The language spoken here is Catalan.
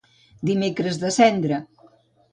Dimecres de Cendra.